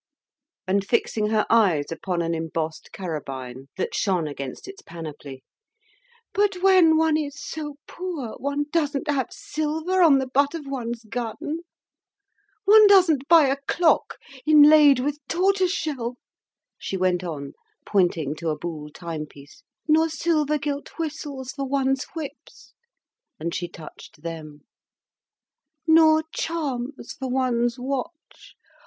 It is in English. And fixing her eyes upon an embossed carabine, that shone against its panoply, "But when one is so poor one doesn't have silver on the butt of one's gun. One doesn't buy a clock inlaid with tortoise shell," she went on, pointing to a buhl timepiece, "nor silver gilt whistles for one's whips," and she touched them, "nor charms for one's watch.